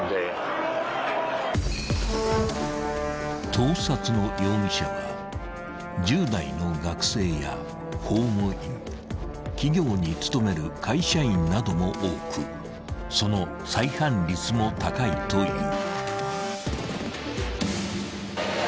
［盗撮の容疑者は１０代の学生や公務員企業に勤める会社員なども多くその再犯率も高いという］